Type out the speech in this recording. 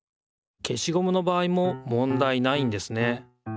消しゴムのばあいももんだいないんですね。